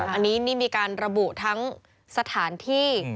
อันนี้นี่มีการระบุทั้งสถานที่